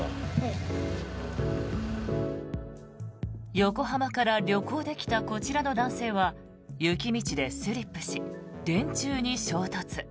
横浜から旅行で来たこちらの男性は雪道でスリップし電柱に衝突。